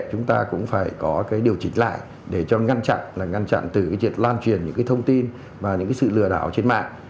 chúng ta cũng phải có cái điều chỉnh lại để cho ngăn chặn là ngăn chặn từ cái việc lan truyền những cái thông tin và những sự lừa đảo trên mạng